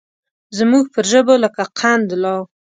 زموږ پر ژبو لکه قند لا